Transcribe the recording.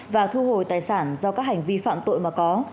và thu hồi tài sản do các hành vi phạm tội mà có